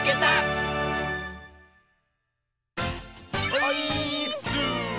オイーッス！